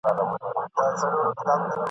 ما لیدې چي به په توره شپه کي راسې !.